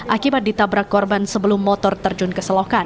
akibat ditabrak korban sebelum motor terjun ke selokan